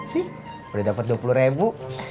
nih udah dapat dua puluh ribu